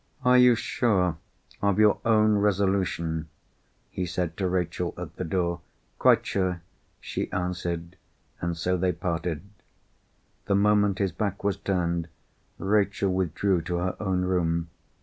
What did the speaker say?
"Are you sure of your own resolution?" he said to Rachel at the door. "Quite sure," she answered—and so they parted. The moment his back was turned, Rachel withdrew to her own room.